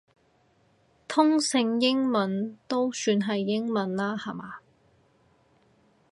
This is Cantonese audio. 通勝英文都算係英文啦下嘛